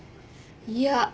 いや